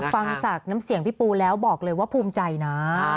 ฟังจากน้ำเสียงพี่ปูแล้วบอกเลยว่าภูมิใจนะ